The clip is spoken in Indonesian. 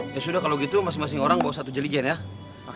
ya sudah kalau gitu masing masing orang bawa satu jeligen ya